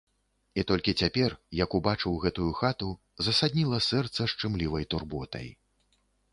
І толькі цяпер, як убачыў гэтую хату, засадніла сэрца шчымлівай турботай.